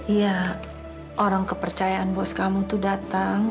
iya orang kepercayaan bos kamu itu datang